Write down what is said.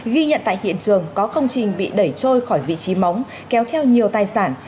ghi nhận tại hiện trường có công trình bị đẩy trôi khỏi vị trí móng kéo theo nhiều tài sản